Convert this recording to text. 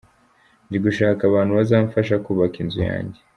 Ndi gushaka abantu bazamfasha kubaka inzu yanjye.